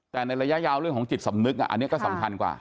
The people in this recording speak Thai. แต่ในระยะยาวเรื่องของจิตสำนึกอันนี้ก็สำคัญกว่า